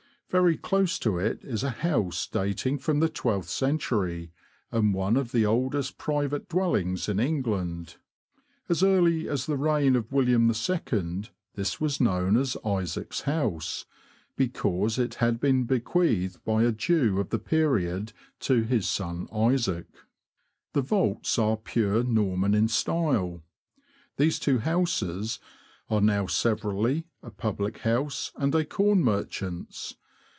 Very close to it is a house dating from the twelfth century, and one of the oldest private dwellings in England. As early as the reign of William II. this was known as Isaac's House, because it had been bequeathed by a Jew of the period to his son Isaac. The vaults are pure Norman in style. These two houses are now severally a public house and a corn merchant's.